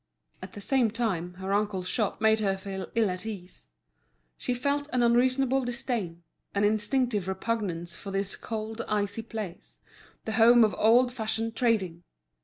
At the same time her uncle's shop made her feel ill at ease; she felt an unreasonable disdain, an instinctive repugnance for this cold, icy place, the home of old fashioned trading.